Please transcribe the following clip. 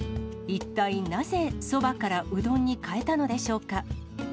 一体なぜ、そばからうどんに変えたのでしょうか。